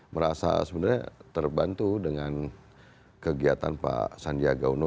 merasa sebenarnya terbantu dengan kegiatan pak sandiaga uno